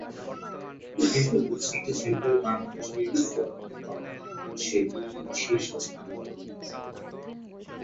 কিন্তু city centre Bangladesh নির্মাণ করা হলে তখন সেটি শীর্ষস্থান দখল করে।